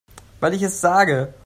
Weil ich es sage.